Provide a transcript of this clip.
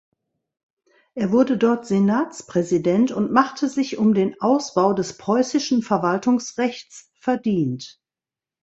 Er wurde dort Senatspräsident und machte sich um den Ausbau des Preußischen Verwaltungsrechts verdient.